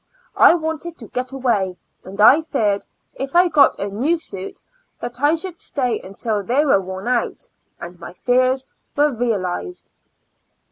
I wanted to get away, and I feared if I got a new suit that I should stay until they were worn out, and my fears were realized.